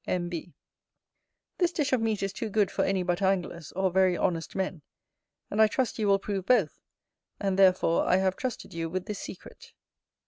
M. B." This dish of meat is too good for any but anglers, or very honest men; and I trust you will prove both, and therefore I have trusted you with this secret.